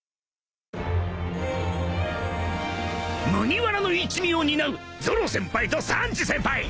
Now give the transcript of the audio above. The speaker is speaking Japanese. ［麦わらの一味を担うゾロ先輩とサンジ先輩！］